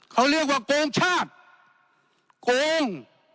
เขาเรียกว่าโกงชาติโกง